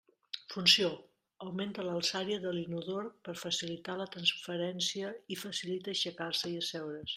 Funció: augmenta l'alçària de l'inodor per facilitar la transferència i facilita aixecar-se i asseure's.